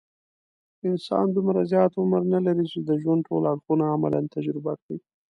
انسان دومره زیات عمر نه لري، چې د ژوند ټول اړخونه عملاً تجربه کړي.